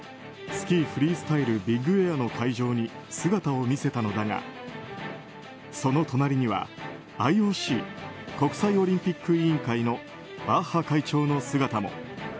スキーフリースタイルビッグエアの会場に姿を見せたのだがその隣にはＩＯＣ・国際オリンピック委員会のバッハ会長の姿も。